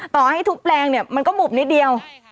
ต่อให้ทุบแปลงเนี่ยมันก็บุบนิดเดียว